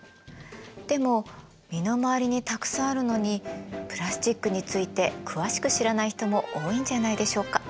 でも身の回りにたくさんあるのにプラスチックについて詳しく知らない人も多いんじゃないでしょうか？